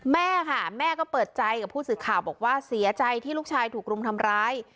แม่ค่ะแม่ก็เปิดใจกับผู้สื่อข่าวบอกว่าเสียใจที่ลูกชายถูกรุมทำร้าย